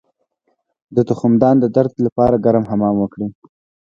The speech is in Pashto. د تخمدان د درد لپاره ګرم حمام وکړئ